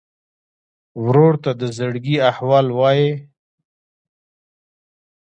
ورور ته د زړګي احوال وایې.